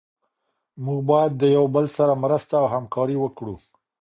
موږ باید د یو بل سره مرسته او همکاري وکړو.